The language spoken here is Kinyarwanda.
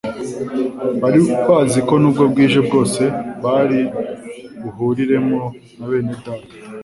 Bari bazi ko nubwo bwije bwose bari buhuriremo na bene Data,